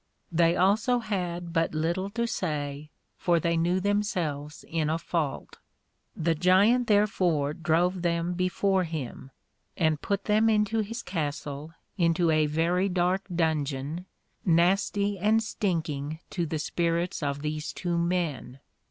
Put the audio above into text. They also had but little to say, for they knew themselves in a fault. The Giant therefore drove them before him, and put them into his Castle, into a very dark Dungeon, nasty and stinking to the spirits of these two men.